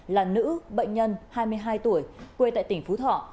là nữ bệnh nhân hai mươi hai tuổi quê tại tỉnh phú thọ